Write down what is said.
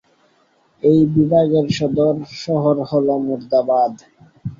এই বিভাগের সদর শহর হল মোরাদাবাদ।